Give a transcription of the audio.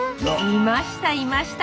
いましたいました！